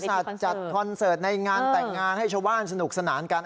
จัดคอนเสิร์ตในงานแต่งงานให้ชาวบ้านสนุกสนานกัน